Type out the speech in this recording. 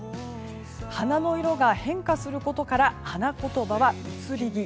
花の色が変化することから花言葉は、移り気。